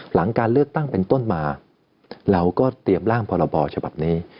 หลังการเลือกตั้งเป็นต้นมาเราก็เตรียมร่างพรบฉบับนี้